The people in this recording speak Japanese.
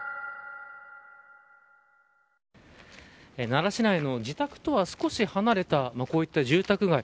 奈良市内の自宅とは少し離れたこういった住宅街。